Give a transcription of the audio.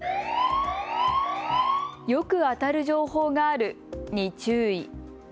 よく当たる情報があるに注意。